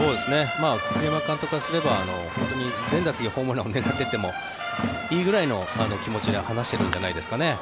栗山監督からすれば本当に全打席ホームランを狙っていってもいいぐらいの気持ちで話してるんじゃないですかね。